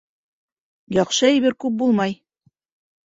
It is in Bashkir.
Яҡшы әйбер күп булмай.